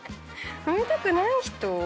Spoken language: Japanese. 飲みたくない人？